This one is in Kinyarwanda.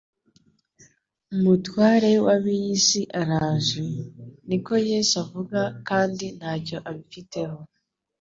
Umutware w'ab'iyi si araje, niko Yesu avuga, kandi ntacyo amfiteho